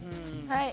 はい。